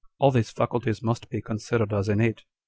all these faculties must be considered as innate."